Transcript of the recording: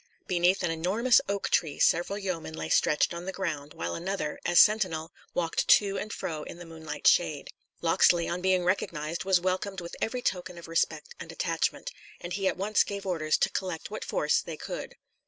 Beneath an enormous oak tree several yeomen lay stretched on the ground, while another, as sentinel, walked to and fro in the moonlight shade. Locksley, on being recognised, was welcomed with every token of respect and attachment; and he at once gave orders to collect what force they could.